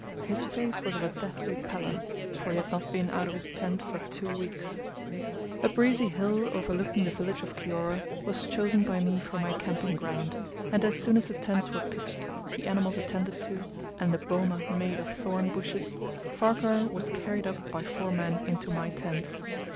His face was of a deathly pallor, for he had not been out of his tent for two weeks. A breezy hill, overlooking the village of Kiora, was chosen by me for my camping ground, and as soon as the tents were pitched, the animals attended to, and a boma made of thorn bushes, Farquhar was carried up by four men into my tent.